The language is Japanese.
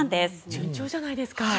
順調じゃないですか。